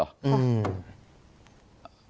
อืม